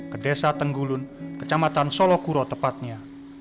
ke desa tenggulun kecamatan solokuro tepatnya